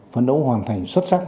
phấn đấu hoàn thành xuất sắc